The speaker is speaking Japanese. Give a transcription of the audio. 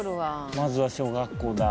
まずは小学校だ。